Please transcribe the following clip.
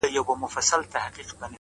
چي د ملا خبري پټي ساتي ـ